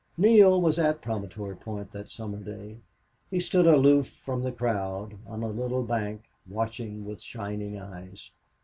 Neale was at Promontory Point that summer day. He stood aloof from the crowd, on a little bank, watching with shining eyes.